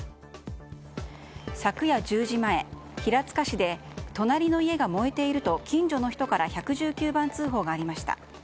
昨夜１０時前、平塚市で隣の家が燃えていると近所の人から１１９番通報がありました。